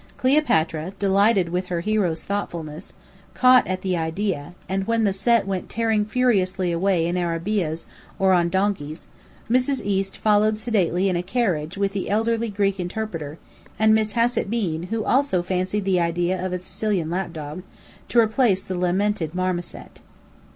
Cleopatra, delighted with her hero's thoughtfulness, caught at the idea: and when the Set went tearing furiously away in arabeahs or on donkeys, Mrs. East followed sedately in a carriage with the elderly Greek interpreter, and Miss Hassett Bean, who also fancied the idea of a Sicilian lap dog, to replace the lamented Marmoset.